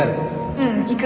ううん行く。